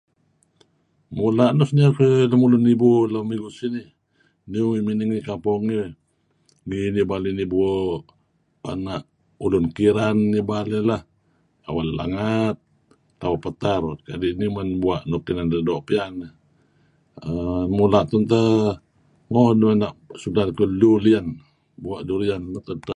Mula' nuk sinier keduih lem igu sinih. Nih uih may mikak puun ngih may nibu ianak ulun ulun Kiran ngi Bario lah, Lengaat, Bua' Petar, kadi' nih men bua' nuk inan narih doo' inan piyan. uhm Mula' tun teh moo' suk belaan kuh Lulian, Bua' Durian tn teh.